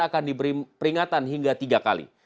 akan diberi peringatan hingga tiga kali